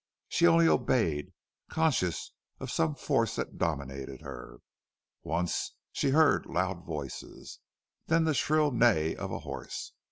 She only obeyed, conscious of some force that dominated her. Once she heard loud voices, then the shrill neigh of a horse.